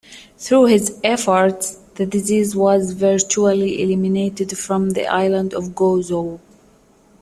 Through his efforts, the disease was virtually eliminated from the Island of Gozo.